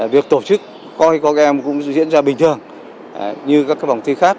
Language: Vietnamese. việc tổ chức coi coi các em cũng diễn ra bình thường như các phòng thi khác